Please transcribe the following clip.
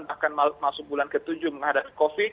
bahkan masuk bulan ke tujuh menghadapi covid